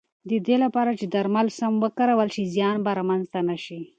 د دې لپاره چې درمل سم وکارول شي، زیان به رامنځته نه شي.